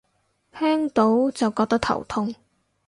聽到就覺得頭痛